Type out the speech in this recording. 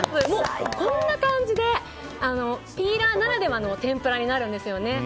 こんな感じでピーラーならではの天ぷらになるんですよね。